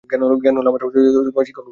জ্ঞান হল আমার শিক্ষক ব্রাভো!